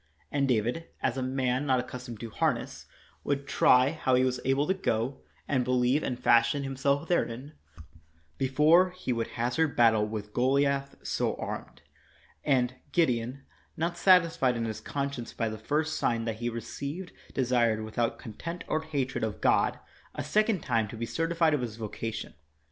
And David, as a man not accustomed to harness, would try how he was able to go, and believe and fashion himself therein, before he would hazard battle with Goliath so armed. And Gideon, not satisfied in his conscience by the first sign that he received, desired, without contempt cr hatred of God, a second time to be certified of his voca tion.